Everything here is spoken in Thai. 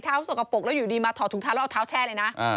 สกปรกแล้วอยู่ดีมาถอดถุงเท้าแล้วเอาเท้าแช่เลยนะ